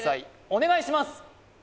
お願いします